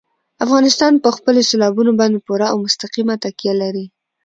افغانستان په خپلو سیلابونو باندې پوره او مستقیمه تکیه لري.